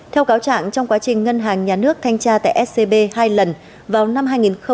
theo cáo trạng trong quá trình ngân hàng nhà nước thanh tra tại scb hai lần vào năm hai nghìn một mươi bảy